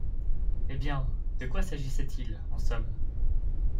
Eh bien ! de quoi s’agissait-il, en somme ?